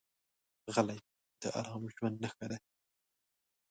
غلی، د ارام ژوند نښه ده.